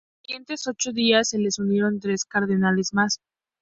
En los siguientes ocho días se les unieron tres cardenales más.